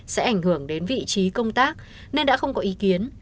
sẽ ảnh hưởng đến vị trí công tác nên đã không có ý kiến